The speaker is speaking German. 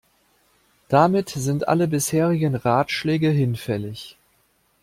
Damit sind alle bisherigen Ratschläge hinfällig.